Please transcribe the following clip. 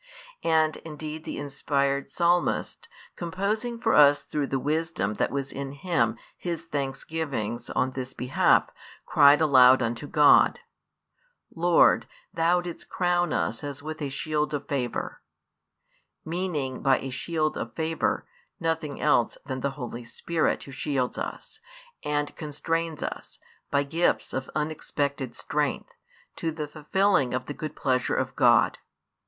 And indeed the inspired Psalmist? composing for us through the wisdom that was in him his thanksgivings on this behalf, cried aloud unto God: Lord, Thou didst crown us as with a shield of favour meaning by a shield of favour nothing else than the Holy Spirit Who shields us, and constrains us, by gifts of unexpected strength, to [the fulfilling of] the good pleasure of God.